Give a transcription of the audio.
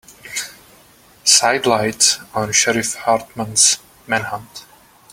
Sidelights on Sheriff Hartman's manhunt.